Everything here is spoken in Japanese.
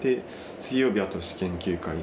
水曜日はとし研究会で。